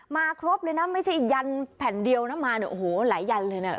ครบเลยนะไม่ใช่ยันแผ่นเดียวนะมาเนี่ยโอ้โหหลายยันเลยเนี่ย